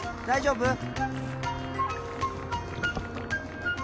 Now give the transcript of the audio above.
大丈夫？